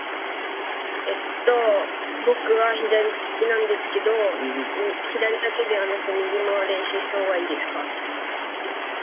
えっと僕は左利きなんですけど左だけではなく右も練習したほうがいいですか？